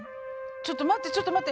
ちょっと待ってちょっと待って。